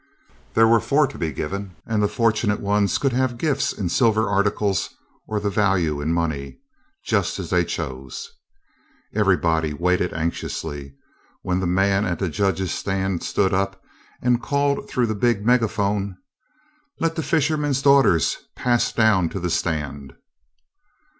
There were four to be given, and the fortunate ones could have gifts in silver articles or the value in money, just as they chose. Everybody waited anxiously, when the man at the judges' stand stood up and called through the big megaphone: "Let the Fisherman's Daughters pass down to the stand!"